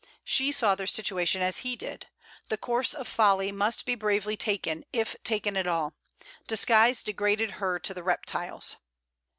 She saw their situation as he did. The course of folly must be bravely taken, if taken at all: Disguise degraded her to the reptiles.